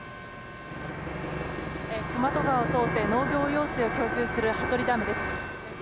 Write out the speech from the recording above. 隈戸川を通って農業用水を供給する羽鳥ダムです。